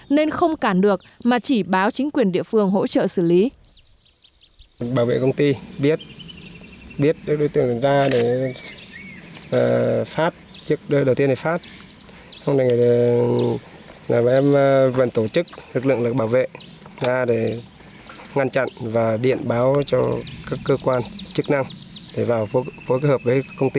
nên không cản được mà chỉ báo chính quyền địa phương hỗ trợ xử lý